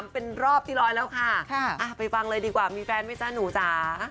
เป็นรอบที่ร้อยแล้วค่ะไปฟังเลยดีกว่ามีแฟนไหมจ๊ะหนูจ๋า